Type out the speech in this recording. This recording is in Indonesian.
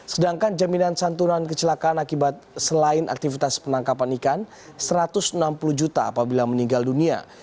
sedangkan jaminan santunan kecelakaan akibat selain aktivitas penangkapan ikan satu ratus enam puluh juta apabila meninggal dunia